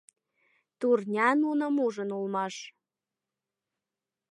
Турня нуным ужын улмаш.